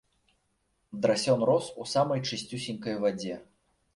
Драсён рос у самай чысцюсенькай вадзе.